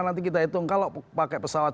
nanti kita hitung kalau pakai pesawat